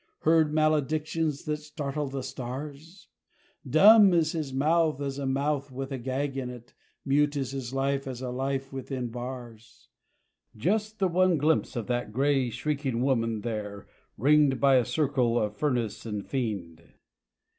Heard maledictions that startle the stars? Dumb is his mouth as a mouth with a gag in it Mute is his life as a life within bars. Just the one glimpse of that grey, shrieking woman there Ringed by a circle of furnace and fiend!